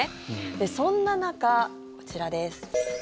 そんな中、こちらです。